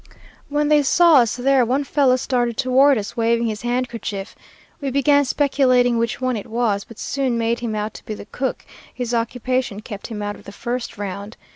"When they saw us there, one fellow started toward us, waving his handkerchief. We began speculating which one it was, but soon made him out to be the cook; his occupation kept him out of the first round.